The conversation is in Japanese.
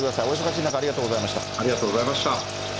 お忙しい中、ありがとうございました。